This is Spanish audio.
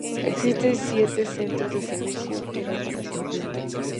Existen siete centros de servicio y reparaciones.